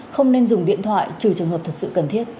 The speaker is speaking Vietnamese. không nên dùng điện thoại trừ trường hợp thật sự cần thiết